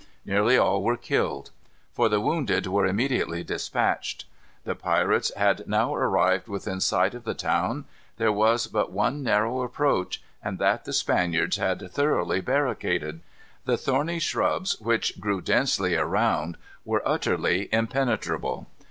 Nearly all were killed; for the wounded were immediately dispatched. The pirates had now arrived within sight of the town. There was but one narrow approach, and that the Spaniards had thoroughly barricaded. The thorny shrubs which grew densely around were utter impenetrable.